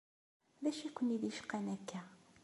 D acu i ken-id-icqan akka?